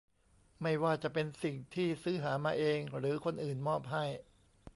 ไม่ว่าจะเป็นสิ่งที่ซื้อหามาเอง หรือคนอื่นมอบให้